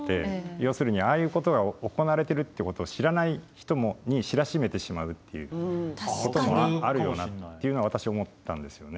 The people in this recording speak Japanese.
要するにああいうことが行われてるってことを知らない人に知らしめてしまうっていうこともあるよなっていうのは私思ったんですよね。